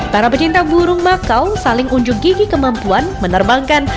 para pecinta burung makau saling unjuk gigi kemampuan menerbangkan